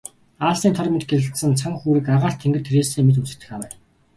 Аалзны тор мэт гялалзсан цан хүүрэг агаар тэнгэрт хэрээстэй мэт үзэгдэх авай.